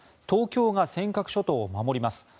東京が尖閣諸島を守ります